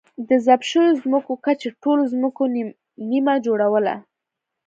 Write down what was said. د ضبط شویو ځمکو کچې ټولو ځمکو نییمه جوړوله.